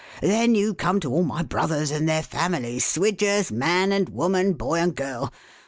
Then you come to all my brothers and their families, Swidgers, man and woman, boy and girl.